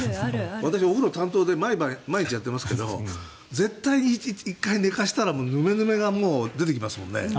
私、お風呂担当で毎日やってますけど絶対、１回寝かせたらもうヌメヌメが出てきますよね